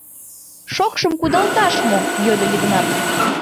— Шокшым кудалташ мо? — йодо Йыгнат.